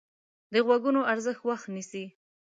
د غږونو ارزښت وخت ښيي